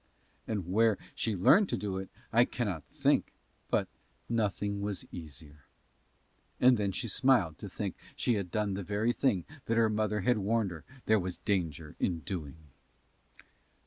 And where she learned to do it I cannot think, but nothing was easier. And then she smiled to think that she had done the very thing that her mother had warned her there was danger in doing.